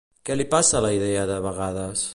Què li passa a la idea de vegades?